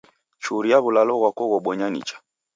Churia w'ulalo ghwako ghobonya nicha.